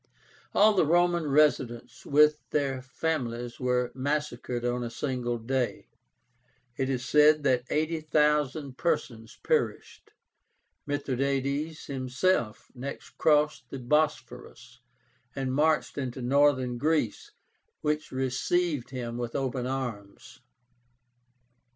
All the Roman residents with their families were massacred on a single day. It is said that 80,000 persons perished. Mithradátes himself next crossed the Bosphorus, and marched into Northern Greece, which received him with open arms.